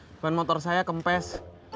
maaf pak ban motor saya kempes